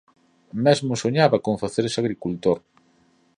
Mesmo soñaba con facerse agricultor.